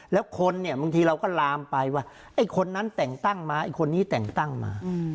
แล้วคนเนี่ยบางทีเราก็ลามไปว่าไอ้คนนั้นแต่งตั้งมาไอ้คนนี้แต่งตั้งมา